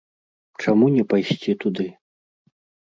Чаму не пайсці туды?